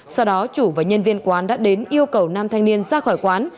sau đó chủ và nhân viên quán đã đến yêu cầu nam thanh niên ra khỏi quán